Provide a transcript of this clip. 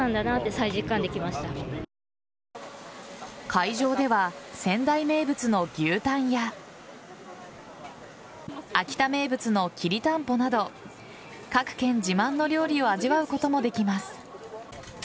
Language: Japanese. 会場では仙台名物の牛タンや秋田名物のきりたんぽなど各県自慢の料理を味わうこともできます。